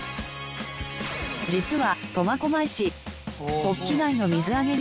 実は。